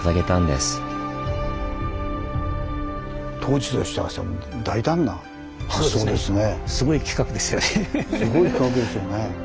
すごい企画ですよね。